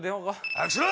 早くしろ！